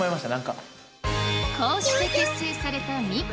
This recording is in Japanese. こうして結成されたミキ。